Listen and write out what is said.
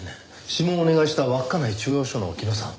指紋をお願いした稚内中央署の木埜さん。